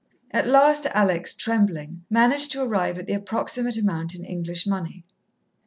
At last Alex, trembling, managed to arrive at the approximate amount in English money.